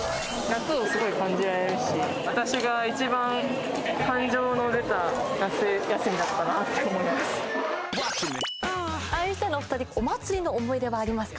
夏をすごい感じられるし私が一番感情の出た夏休みだったなって思います